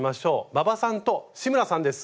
馬場さんと志村さんです。